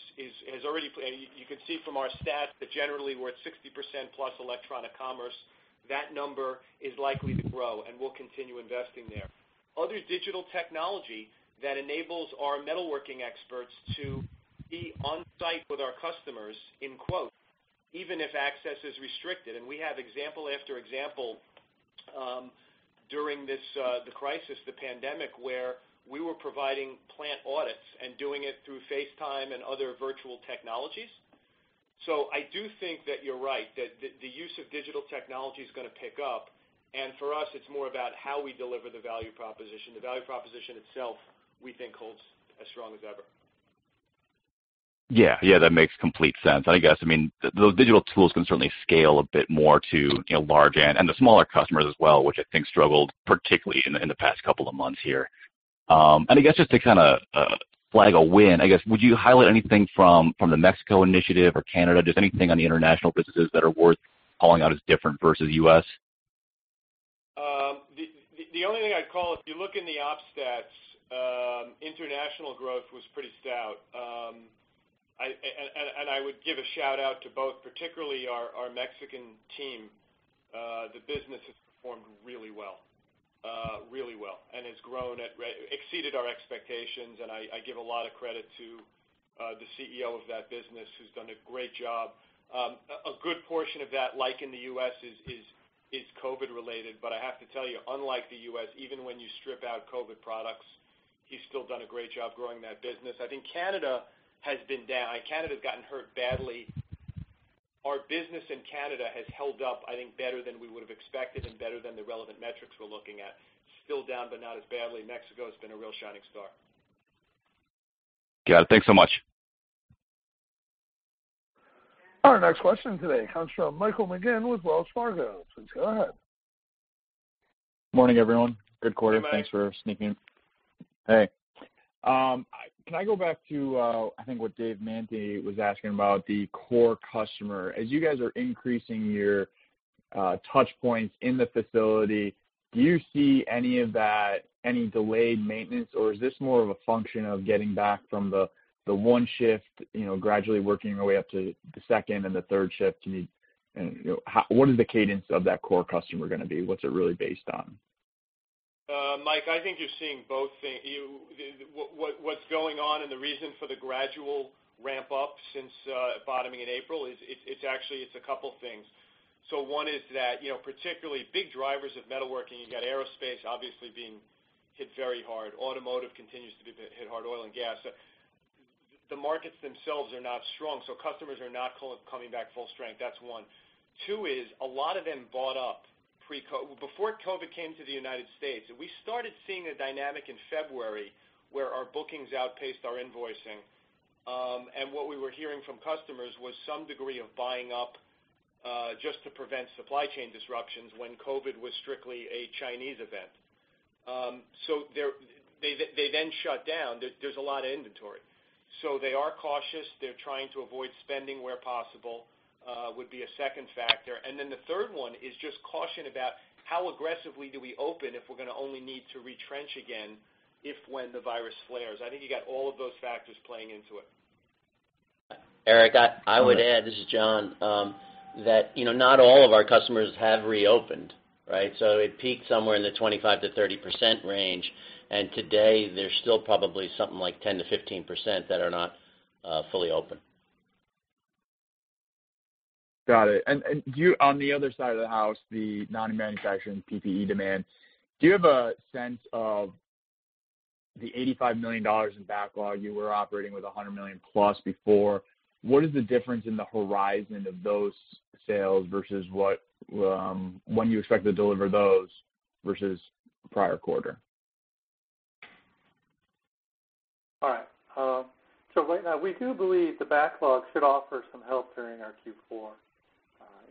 see from our stats that generally we're at 60%-plus electronic commerce. That number is likely to grow, and we'll continue investing there. Other digital technology that enables our metalworking experts to be on-site with our customers, in quote, "even if access is restricted." We have example after example during the crisis, the pandemic, where we were providing plant audits and doing it through FaceTime and other virtual technologies. I do think that you're right, that the use of digital technology is going to pick up, and for us, it's more about how we deliver the value proposition. The value proposition itself, we think, holds as strong as ever. Yeah. That makes complete sense. I guess, those digital tools can certainly scale a bit more to the large end and the smaller customers as well, which I think struggled particularly in the past couple of months here. I guess just to kind of flag a win, I guess, would you highlight anything from the Mexico initiative or Canada? Just anything on the international businesses that are worth calling out as different versus U.S.? The only thing I'd call, if you look in the op stats, international growth was pretty stout. I would give a shout-out to both, particularly our Mexican team. The business has performed really well, and has exceeded our expectations, and I give a lot of credit to the CEO of that business, who's done a great job. A good portion of that, like in the U.S., is COVID-related, but I have to tell you, unlike the U.S., even when you strip out COVID products, he's still done a great job growing that business. I think Canada has been down. Canada's gotten hurt badly. Our business in Canada has held up, I think, better than we would've expected and better than the relevant metrics we're looking at. Still down, not as badly. Mexico has been a real shining star. Got it. Thanks so much. Our next question today comes from Michael McGinn with Wells Fargo. Please go ahead. Morning, everyone. Good quarter. Hey, Mike. Thanks for sneaking in. Hey. Can I go back to, I think, what Dave Manthey was asking about the core customer. As you guys are increasing your touchpoints in the facility, do you see any of that, any delayed maintenance, or is this more of a function of getting back from the one shift gradually working your way up to the second and the third shift? What is the cadence of that core customer going to be? What's it really based on? Mike, I think you're seeing both things. What's going on and the reason for the gradual ramp-up since bottoming in April is actually a couple things. One is that particularly big drivers of metalworking, you've got aerospace obviously being hit very hard. Automotive continues to be hit hard. Oil and gas. The markets themselves are not strong, so customers are not coming back full strength. That's one. Two is a lot of them bought up pre-COVID-19. Before COVID-19 came to the U.S., we started seeing a dynamic in February where our bookings outpaced our invoicing. What we were hearing from customers was some degree of buying up just to prevent supply chain disruptions when COVID-19 was strictly a Chinese event. They then shut down. There's a lot of inventory. They are cautious. They're trying to avoid spending where possible, would be a second factor. The third one is just caution about how aggressively do we open if we're going to only need to retrench again if/when the virus flares. I think you got all of those factors playing into it. Erik, I would add, this is John, that not all of our customers have reopened, right? It peaked somewhere in the 25%-30% range, and today there's still probably something like 10%-15% that are not fully open. Got it. Do you, on the other side of the house, the non-manufacturing PPE demand, do you have a sense of the $85 million in backlog you were operating with $100 million-plus before? What is the difference in the horizon of those sales versus when you expect to deliver those versus prior quarter? Right now, we do believe the backlog should offer some help during our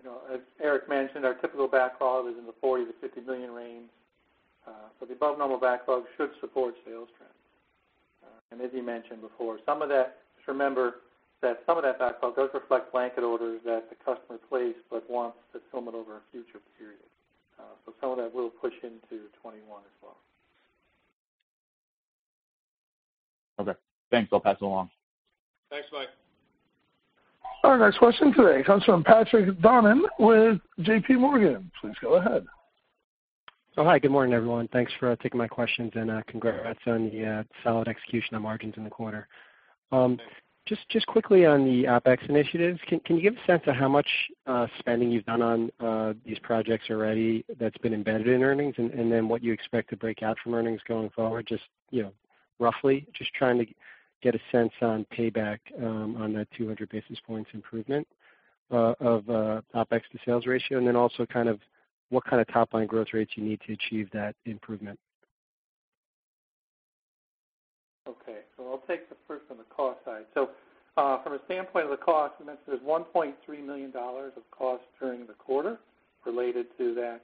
Q4. As Erik mentioned, our typical backlog is in the $40 million-$50 million range. The above-normal backlog should support sales trends. As he mentioned before, just remember that some of that backlog does reflect blanket orders that the customer placed but wants to fill them over a future period. Some of that will push into 2021 as well. Okay, thanks. I'll pass it along. Thanks, Mike. Our next question today comes from Patrick Baumann with JPMorgan. Please go ahead. Hi. Good morning, everyone. Thanks for taking my questions, and congrats on the solid execution of margins in the quarter. Thanks. Just quickly on the OpEx initiatives, can you give a sense of how much spending you've done on these projects already that's been embedded in earnings, and then what you expect to break out from earnings going forward, just roughly? Just trying to get a sense on payback on that 200 basis points improvement of OpEx to sales ratio, also what kind of top line growth rates you need to achieve that improvement? Okay. I'll take the first on the cost side. From a standpoint of the cost, I mentioned there's $1.3 million of costs during the quarter related to that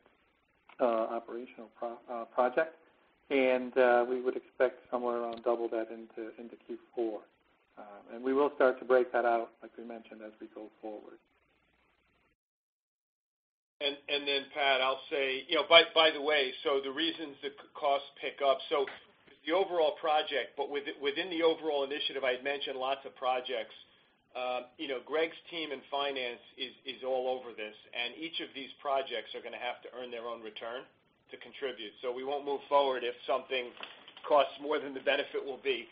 operational project, and we would expect somewhere around double that into Q4. We will start to break that out, as we mentioned, as we go forward. Pat, I'll say, the reasons the costs pick up. The overall project, within the overall initiative, I had mentioned lots of projects. Greg's team in finance is all over this, and each of these projects are going to have to earn their own return to contribute. We won't move forward if something costs more than the benefit will be.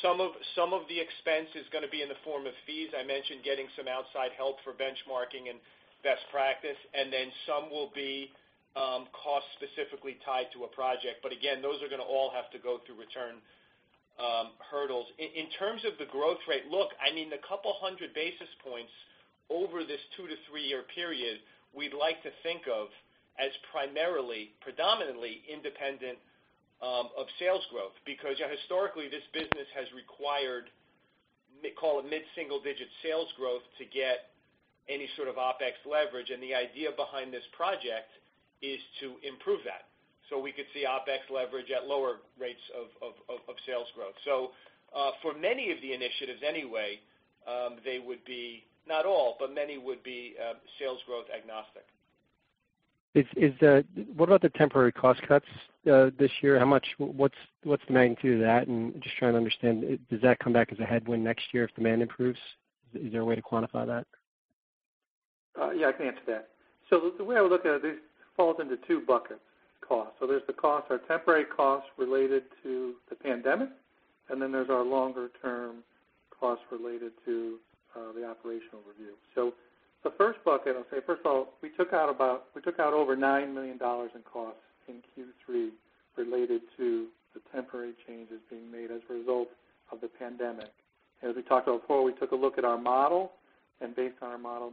Some of the expense is going to be in the form of fees. I mentioned getting some outside help for benchmarking and best practice, and then some will be costs specifically tied to a project. Again, those are going to all have to go through return hurdles. In terms of the growth rate, look, I mean, the couple hundred basis points over this 2-3-year period, we'd like to think of as primarily, predominantly independent of sales growth, because historically, this business has required, call it mid-single digit sales growth to get any sort of OpEx leverage. The idea behind this project is to improve that. We could see OpEx leverage at lower rates of sales growth. For many of the initiatives anyway, they would be, not all, but many would be sales growth agnostic. What about the temporary cost cuts this year? How much, what's the magnitude of that? Just trying to understand, does that come back as a headwind next year if demand improves? Is there a way to quantify that? I can answer that. The way I would look at it, these fall into 2 buckets cost. There's the cost, our temporary costs related to the pandemic, and then there's our longer-term costs related to the operational review. The first bucket, I'll say, first of all, we took out over $9 million in costs in Q3 related to the temporary changes being made as a result of the pandemic. As we talked about before, we took a look at our model, and based on our model,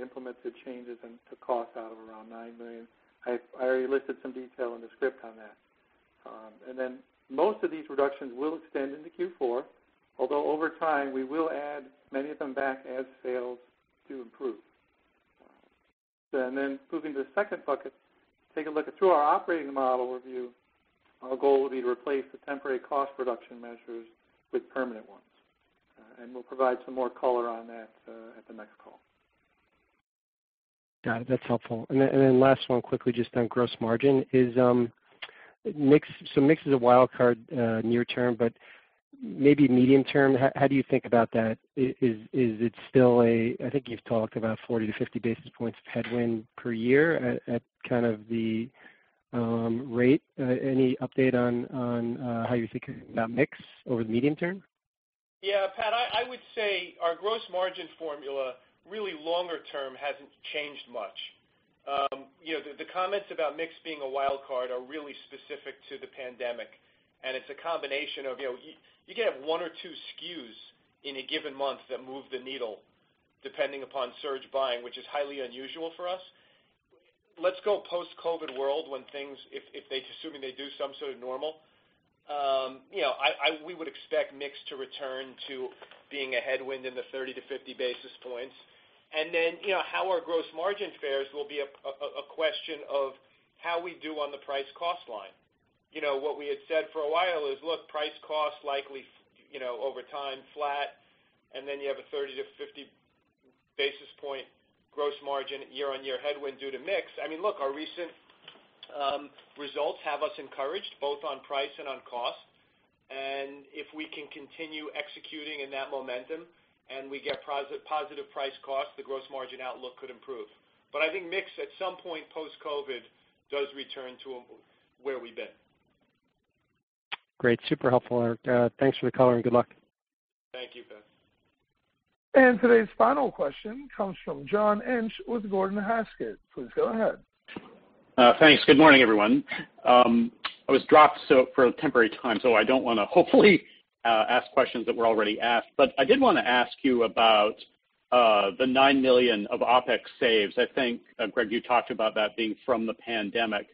implemented changes and took costs out of around $9 million. I already listed some detail in the script on that. Most of these reductions will extend into Q4, although over time, we will add many of them back as sales do improve. Moving to the second bucket, take a look at through our operating model review, our goal will be to replace the temporary cost reduction measures with permanent ones. We'll provide some more color on that at the next call. Got it. That's helpful. Then last one quickly, just on gross margin, so mix is a wild card near term. Maybe medium term, how do you think about that? Is it still, I think you've talked about 40-50 basis points of headwind per year at the rate. Any update on how you're thinking about mix over the medium term? Yeah, Pat, I would say our gross margin formula, really longer term, hasn't changed much. The comments about mix being a wild card are really specific to the pandemic. It's a combination of, you can have one or two SKUs in a given month that move the needle, depending upon surge buying, which is highly unusual for us. Let's go post-COVID world when things, assuming they do some sort of normal. We would expect mix to return to being a headwind in the 30 to 50 basis points. How our gross margin fares will be a question of how we do on the price cost line. What we had said for a while is, look, price cost likely over time flat. You have a 30 to 50 basis point gross margin year-on-year headwind due to mix. I mean, look, our recent results have us encouraged both on price and on cost. If we can continue executing in that momentum and we get positive price cost, the gross margin outlook could improve. I think mix, at some point post-COVID, does return to where we've been. Great. Super helpful, Erik. Thanks for the color and good luck. Thank you, Pat. Today's final question comes from John Inch with Gordon Haskett. Please go ahead. Thanks. Good morning, everyone. I was dropped for a temporary time, so I don't want to, hopefully, ask questions that were already asked, but I did want to ask you about the $9 million of OpEx saves. I think, Greg, you talked about that being from the pandemic.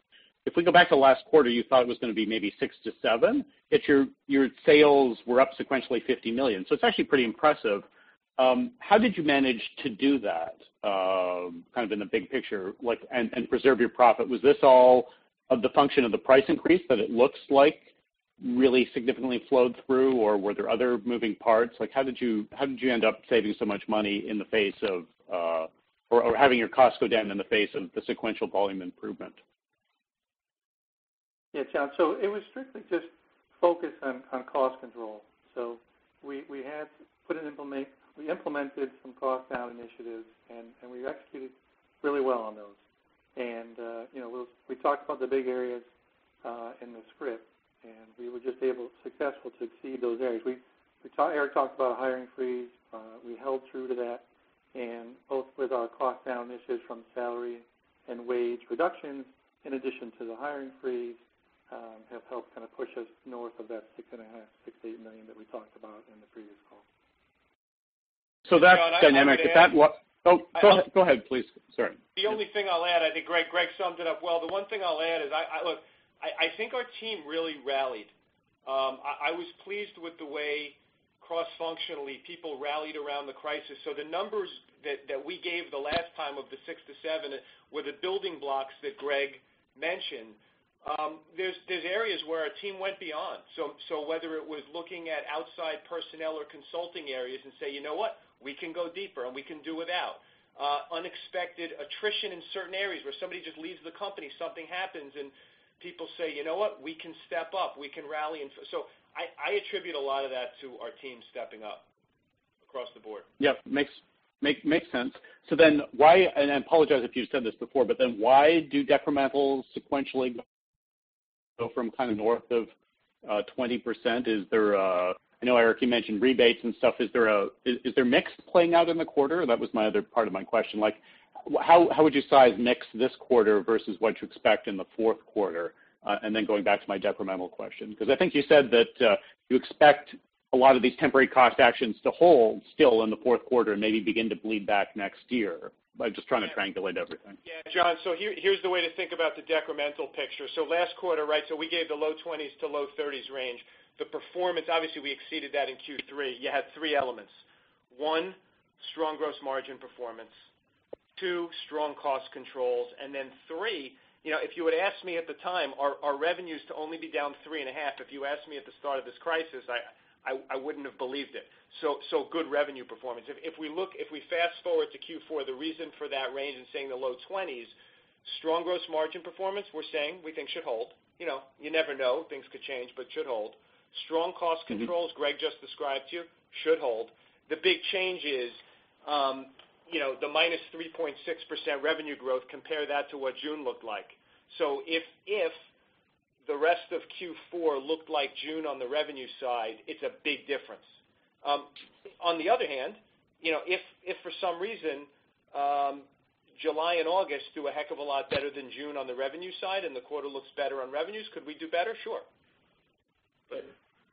If we go back to last quarter, you thought it was going to be maybe $6 million to $7 million, yet your sales were up sequentially $50 million. It's actually pretty impressive. How did you manage to do that, kind of in the big picture, and preserve your profit? Was this all of the function of the price increase that it looks like really significantly flowed through? Were there other moving parts? How did you end up saving so much money in the face of, or having your costs go down in the face of the sequential volume improvement? Yeah, John. It was strictly just focused on cost control. We implemented some cost down initiatives, and we executed really well on those. We talked about the big areas, in the script, and we were just successful to exceed those areas. Erik talked about a hiring freeze. We held true to that. Both with our cost down issues from salary and wage reductions in addition to the hiring freeze. Have helped push us north of that $6.5, $6 million-$8 million that we talked about in the previous call. That dynamic, if that. Oh, go ahead, please. Sorry. The only thing I'll add, I think Greg summed it up well. The one thing I'll add is, look, I think our team really rallied. I was pleased with the way, cross-functionally, people rallied around the crisis. The numbers that we gave the last time, of the six to seven, were the building blocks that Greg mentioned. There's areas where our team went beyond. Whether it was looking at outside personnel or consulting areas and say, "You know what? We can go deeper, and we can do without." Unexpected attrition in certain areas, where somebody just leaves the company, something happens, and people say, "You know what? We can step up. We can rally." I attribute a lot of that to our team stepping up across the board. Yep, makes sense. Why, and I apologize if you've said this before, but then why do decremental sequentially go from kind of north of 20%? I know, Erik, you mentioned rebates and stuff. Is there mix playing out in the quarter? That was my other part of my question. How would you size mix this quarter versus what you expect in the fourth quarter? Going back to my decremental question, because I think you said that you expect a lot of these temporary cost actions to hold still in the fourth quarter and maybe begin to bleed back next year. I'm just trying to triangulate everything. Yeah, John. Here's the way to think about the decremental picture. Last quarter, right? We gave the low 20s to low 30s range. The performance, obviously, we exceeded that in Q3. You had three elements. One, strong gross margin performance, two, strong cost controls, three, if you had asked me at the time, our revenues to only be down three and a half, if you asked me at the start of this crisis, I wouldn't have believed it. Good revenue performance. If we fast forward to Q4, the reason for that range and saying the low 20s, strong gross margin performance, we're saying we think should hold. You never know. Things could change, but should hold. Strong cost controls. Greg just described to you, should hold. The big change is the -3.6% revenue growth, compare that to what June looked like. If the rest of Q4 looked like June on the revenue side, it's a big difference. On the other hand, if for some reason July and August do a heck of a lot better than June on the revenue side and the quarter looks better on revenues, could we do better? Sure.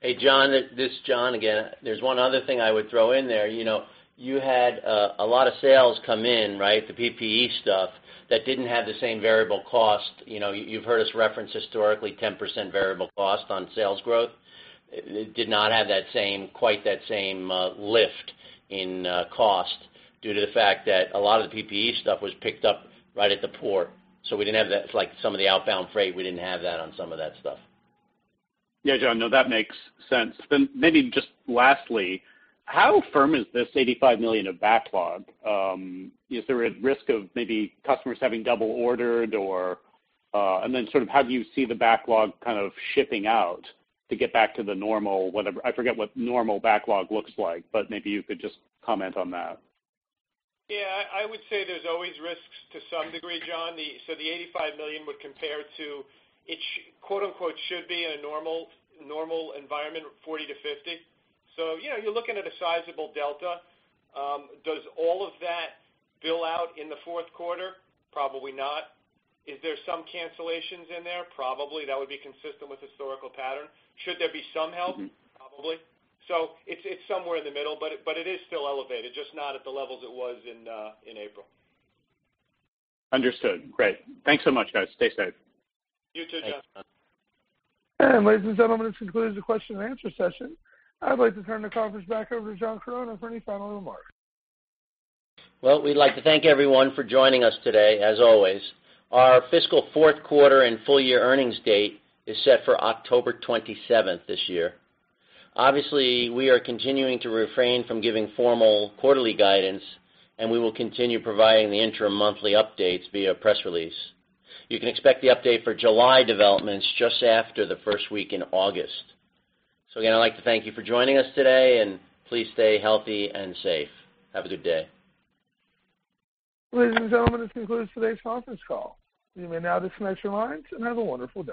Hey, John, this is John again. There's one other thing I would throw in there. You had a lot of sales come in, right? The PPE stuff that didn't have the same variable cost. You've heard us reference historically 10% variable cost on sales growth. It did not have quite that same lift in cost due to the fact that a lot of the PPE stuff was picked up right at the port. We didn't have that, like some of the outbound freight, we didn't have that on some of that stuff. Yeah, John, no, that makes sense. Maybe just lastly, how firm is this $85 million of backlog? Is there a risk of maybe customers having double ordered, sort of how do you see the backlog kind of shipping out to get back to the normal, whatever, I forget what normal backlog looks like, but maybe you could just comment on that. Yeah, I would say there's always risks to some degree, John. The $85 million would compare to, quote unquote, should be in a normal environment, $40 million-$50 million. You're looking at a sizable delta. Does all of that bill out in the fourth quarter? Probably not. Is there some cancellations in there? Probably. That would be consistent with historical pattern. Should there be some help? Probably. It's somewhere in the middle, but it is still elevated, just not at the levels it was in April. Understood. Great. Thanks so much, guys. Stay safe. You too, John. Thanks. Ladies and gentlemen, this concludes the question and answer session. I'd like to turn the conference back over to John Caron for any final remarks. Well, we'd like to thank everyone for joining us today, as always. Our fiscal Fourth Quarter and full year earnings date is set for October 27th this year. Obviously, we are continuing to refrain from giving formal quarterly guidance, and we will continue providing the interim monthly updates via press release. You can expect the update for July developments just after the first week in August. Again, I'd like to thank you for joining us today, and please stay healthy and safe. Have a good day. Ladies and gentlemen, this concludes today's conference call. You may now disconnect your lines and have a wonderful day.